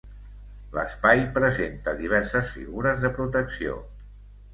L'espai presenta diverses figures de protecció.